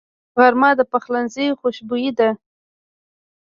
غرمه د پخلنځي خوشبويي ده